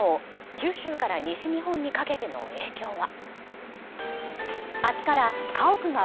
九州から西日本にかけての影響は。